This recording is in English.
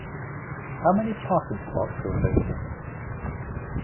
How many parking spots are available?